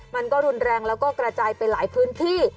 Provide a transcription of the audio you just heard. มันก็รุนแรงแล้วก็กระจายไปหลายพื้นที่